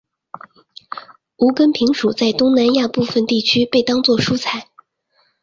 无根萍属在东南亚部份地区被当作蔬菜。